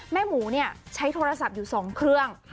หมูใช้โทรศัพท์อยู่๒เครื่อง